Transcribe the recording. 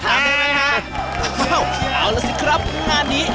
เอาล่ะสิครับงานนี้